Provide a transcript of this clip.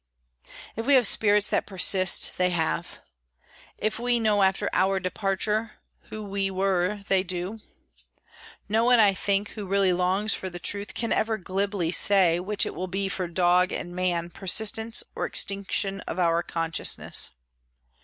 If we have spirits that persist—they have. If we know after our departure, who we were they do. No one, I think, who really longs for truth, can ever glibly say which it will be for dog and man persistence or extinction of our consciousness.